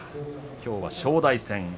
きょうは正代戦。